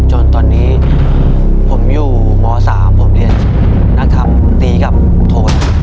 จนตอนนี้ผมอยู่ม๓ผมเรียนนักธรรมตีกับโทน